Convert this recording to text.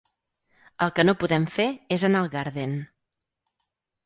El que no podem fer és anar al Garden.